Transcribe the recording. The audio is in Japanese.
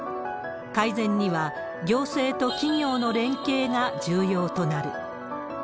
改善には、行政と企業の連携が重要となる。